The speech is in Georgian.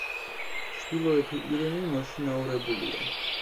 ჩრდილოეთი ირემი მოშინაურებულია.